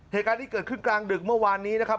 เหตุการณ์ที่เกิดขึ้นกลางดึกเมื่อวานนี้นะครับ